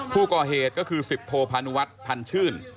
ผู้ก่อเหตุก็คือสิบโทพานุวัฒน์พันธ์ชื่น